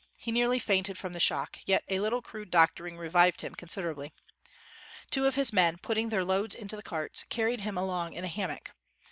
He nearly fainted from the shock ; yet a little crude doctoring revived him con siderably. Two of his men, putting their loads into the carts, carried him along in a hammock.